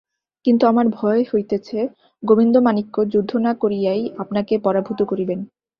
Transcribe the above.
কিন্তু আমার ভয় হইতেছে, গোবিন্দমাণিক্য যুদ্ধ না করিয়াই আপনাকে পরাভূত করিবেন।